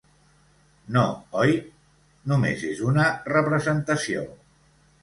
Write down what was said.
No, oi?, només és una representació.